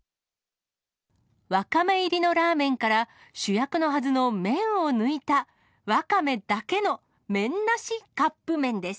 わかめ入りのラーメンから、主役のはずの麺を抜いた、わかめだけの麺なしカップ麺です。